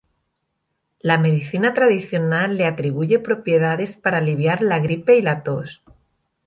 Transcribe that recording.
La medicina tradicional le atribuye propiedades para aliviar la gripe y la tos.